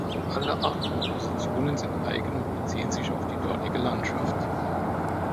Alle acht Kompositionen sind eigene und beziehen sich auf die dortige Landschaft.